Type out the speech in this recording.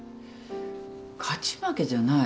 勝ち負けじゃない。